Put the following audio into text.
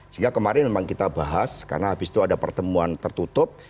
sehingga kemarin memang kita bahas karena habis itu ada pertemuan tertutup